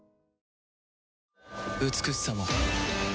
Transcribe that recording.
美しさも